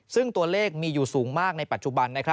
ซึ่งตัวเลขมีอยู่สูงมากในปัจจุบัน